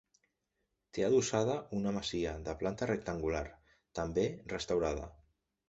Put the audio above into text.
Té adossada una masia de planta rectangular, també restaurada.